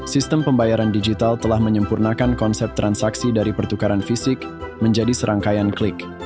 sistem pembayaran digital telah menyempurnakan konsep transaksi dari pertukaran fisik menjadi serangkaian klik